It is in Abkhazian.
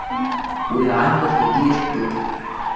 Уи ажәлар зегьы иртәуп.